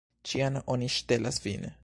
Ĉiam oni ŝtelas vin!